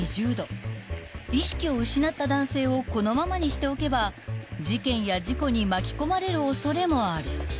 ［意識を失った男性をこのままにしておけば事件や事故に巻き込まれる恐れもある］